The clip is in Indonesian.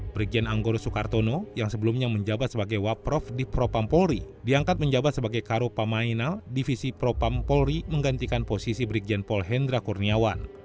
brigjen anggoro soekartono yang sebelumnya menjabat sebagai waprof di propampolri diangkat menjabat sebagai karo pamainal divisi propam polri menggantikan posisi brigjen pol hendra kurniawan